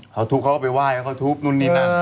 เขาทุบเขาก็ไปไหว้เขาทุบนู่นนี่นั่น